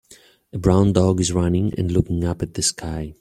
A brown dog is running and looking up at the sky.